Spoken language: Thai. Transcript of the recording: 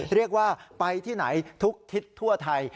เรียกว่าไปที่ไหนทุกทิศทั่วไทย